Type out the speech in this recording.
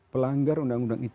pelanggar undang undang it